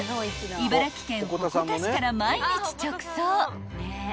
［茨城県鉾田市から毎日直送］